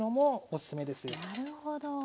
なるほど。